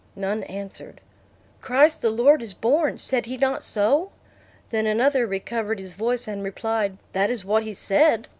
None answered. "Christ the Lord is born; said he not so?" Then another recovered his voice, and replied, "That is what he said."